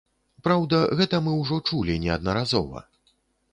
Праўда, гэта мы ўжо чулі неаднаразова.